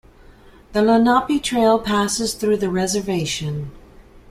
The Lenape Trail passes through the reservation.